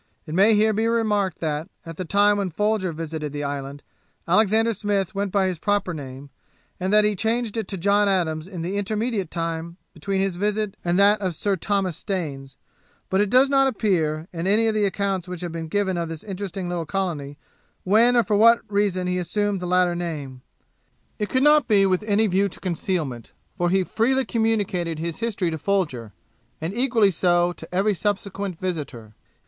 It may here be remarked that, at the time when Folger visited the island, Alexander Smith went by his proper name, and that he had changed it to John Adams in the intermediate time between his visit and that of Sir Thomas Staines; but it does not appear, in any of the accounts which have been given of this interesting little colony, when or for what reason he assumed the latter name. It could not be with any view to concealment, for he freely communicated his history to Folger, and equally so to every subsequent visitor.